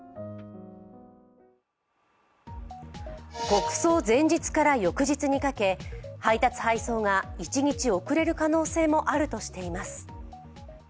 国葬前日から翌日にかけ配達・配送が１日遅れる可能性もあるとしています。